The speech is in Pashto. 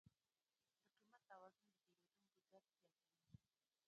د قیمت توازن د پیرودونکو جذب زیاتوي.